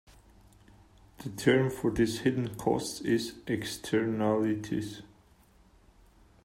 The term for these hidden costs is "Externalities".